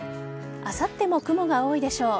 あさっても雲が多いでしょう。